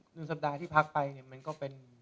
หนึ่งสัปดาห์ที่พักไปเนี่ยมันก็เป็น